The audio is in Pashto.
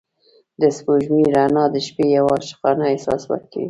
د سپوږمۍ رڼا د شپې یو عاشقانه احساس ورکوي.